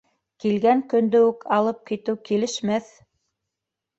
Килгән көндө үк алып китеү килешмәҫ.